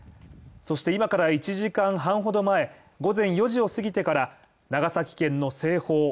そして今から１時間半ほど前、午前４時を過ぎてから長崎県の西方